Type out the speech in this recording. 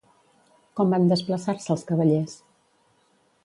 Com van desplaçar-se els cavallers?